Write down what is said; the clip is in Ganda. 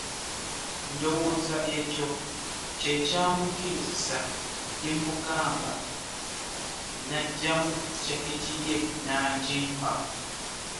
Ndowooza ekyo kye kyamukkirizisa bye mmugamba n'aggyamu jjaketi ye n'agimpa.